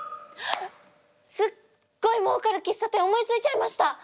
すっごいもうかる喫茶店思いついちゃいました！